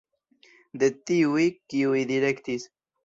De tiuj, kiuj direktis.